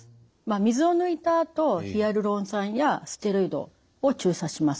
水を抜いたあとヒアルロン酸やステロイドを注射します。